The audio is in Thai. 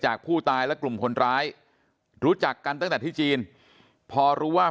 ผู้ตายและกลุ่มคนร้ายรู้จักกันตั้งแต่ที่จีนพอรู้ว่า